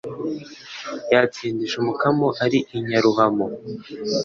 Yatsindisha umukamo ari i Nyaruhamo